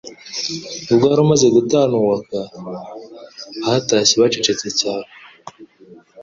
ubwo wari umaze gutannuwka, batashye bacecetse cyane,